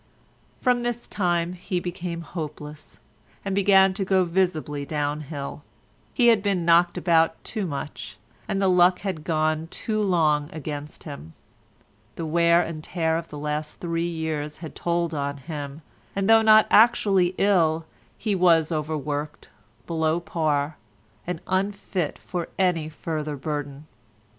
From this time he became hopeless, and began to go visibly down hill. He had been knocked about too much, and the luck had gone too long against him. The wear and tear of the last three years had told on him, and though not actually ill he was overworked, below par, and unfit for any further burden.